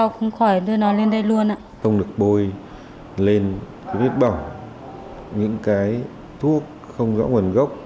không được bôi lên vết bỏng những cái thuốc không rõ nguồn gốc